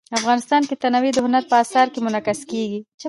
افغانستان کې تنوع د هنر په اثار کې منعکس کېږي.